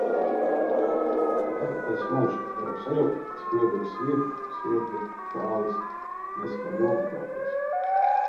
Ir atpakaļ smarža! Ja jau sajutu, cik riebīgi smirdu - sviedri, zāles, nespēja nomazgāties...